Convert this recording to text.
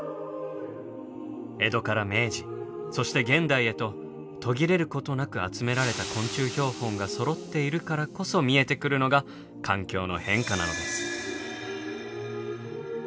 江戸から明治そして現代へと途切れることなく集められた昆虫標本がそろっているからこそ見えてくるのが環境の変化なのです。